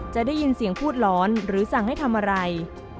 จะได้ยินเสียงพูดร้อนหรือสั่งให้ทำอะไร